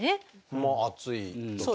まあ暑い時とか。